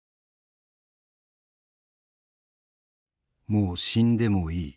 「もう死んでもいい」。